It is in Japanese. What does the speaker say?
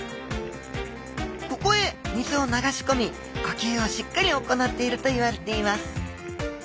ここへ水を流し込み呼吸をしっかり行っているといわれています。